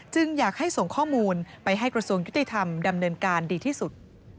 อยากให้ส่งข้อมูลไปให้กระทรวงยุติธรรมดำเนินการดีที่สุด